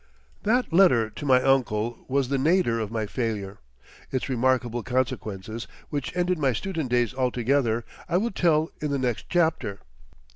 That letter to my uncle was the nadir of my failure. Its remarkable consequences, which ended my student days altogether, I will tell in the next chapter.